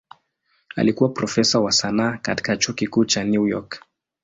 Alikuwa profesa wa sanaa katika Chuo Kikuu cha New York.